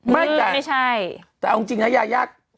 ไม่ใช่แต่เอาจริงนะยายา